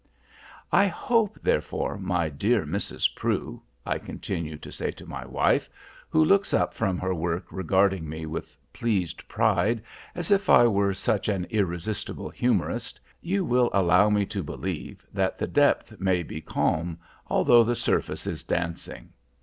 "I hope, therefore, my dear Mrs. Prue," I continue to say to my wife, who looks up from her work regarding me with pleased pride, as if I were such an irresistible humorist, "you will allow me to believe that the depth may be calm although the surface is dancing.